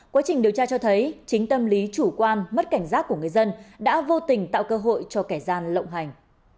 quá trình điều tra cho thấy chính tâm lý chủ quan mất cảnh giác của người dân đã vô tình tạo cơ hội cho kẻ gian lộng hành